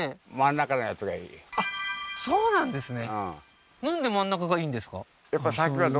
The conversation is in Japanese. あっそうなんですね